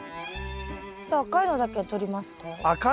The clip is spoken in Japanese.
じゃあ赤いのだけとりますか？